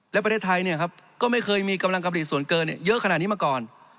และประเทศไทยก็ไม่เคยมีกำลังกำหรีดส่วนเกินเยอะขนาดนี้มาก่อน